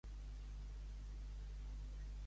Quin càrrec ocupa Miguel Ángel Torres?